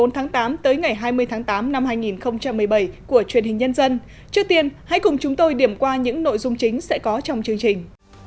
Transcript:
tháng tám tới ngày hai mươi tháng tám năm hai nghìn một mươi bảy của truyền hình nhân dân trước tiên hãy cùng chúng tôi điểm qua những nội dung chính sẽ có trong chương trình